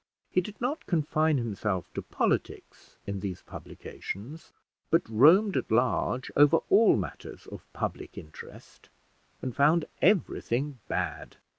He did not confine himself to politics in these publications, but roamed at large over all matters of public interest, and found everything bad.